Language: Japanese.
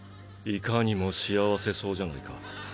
いかにも幸せそうじゃないか。